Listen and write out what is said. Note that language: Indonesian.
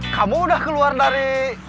kamu udah keluar dari